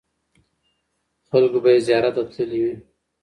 خلکو به یې زیارت ته تللي وي.